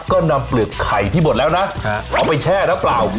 ก็นำเปลือกไข่ที่บดแล้วนะฮะเอาไปแช่นะปล่าว